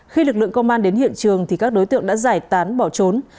khi lực lượng công an đến hiện trường thì các đối tượng đã giải tán bỏ trốn